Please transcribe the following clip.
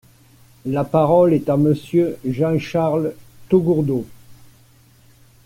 La parole est à Monsieur Jean-Charles Taugourdeau.